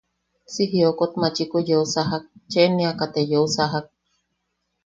Si jiokot machiku yeu sajak, cheneaka te yeu sajak.